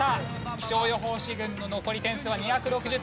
気象予報士軍の残り点数は２６０点。